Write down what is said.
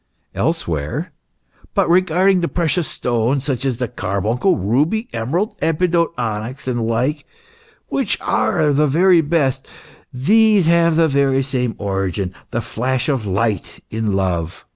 Elsewhere :" But regarding the precious stones, such as the carbuncle, ruby, emerald, epidote, onyx, and the like, which are the very best, these have the very same origin the flash of light in love.